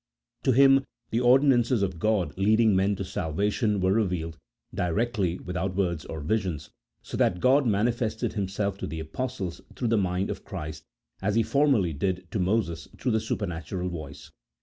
To Him the ordinances of God lead CHAP. I.] OF PROPHECY. 19 ing men to salvation were revealed directly without words or visions, so that God manifested Himself to the Apostles through the mind of Christ as He formerly did to Moses through the supernatural voice.